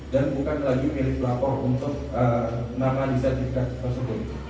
dan bukan lagi milik pelapor untuk nama di sertifikat tersebut